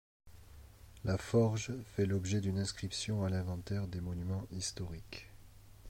La forge fait l'objet d'une inscription à l'inventaire des monuments historiques.